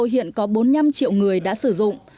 hiện có bốn mươi năm triệu người đã sử dụng